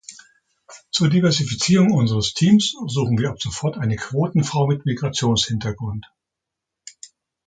Zur Diversifizierung unseres Teams suchen wir ab sofort eine Quotenfrau mit Migrationshintergrund.